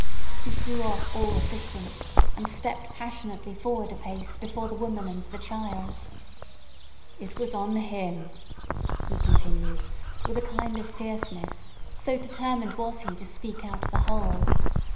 He threw off all assistance, and stepped passionately forward a pace before the woman and the children. "It was on him!" he continued, with a kind of fierceness; so determined was he to speak out the whole.